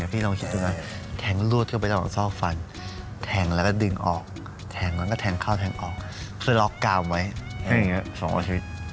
พี่ท่านลองคิดดูนะแทงรวดเข้ากับสร้องฟัน